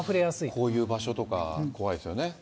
こういう場所とか、怖いですよね。